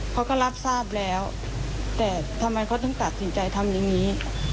เขาก็รับทราบแล้วแต่ทำไมเขาถึงตัดสินใจทำอย่างนี้